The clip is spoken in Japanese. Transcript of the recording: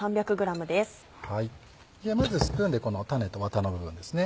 まずスプーンでこの種とワタの部分ですね。